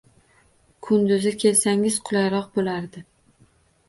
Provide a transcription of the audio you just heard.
Kunduzi kelsangiz qulayroq bo'lardi.